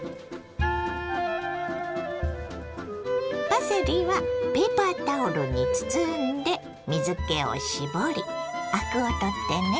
パセリはペーパータオルに包んで水けを絞りアクを取ってね。